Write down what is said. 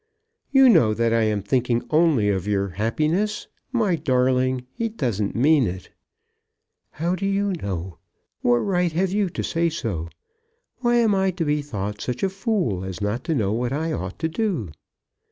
"You know that I am thinking only of your happiness. My darling, he doesn't mean it." "How do you know? What right have you to say so? Why am I to be thought such a fool as not to know what I ought to do?"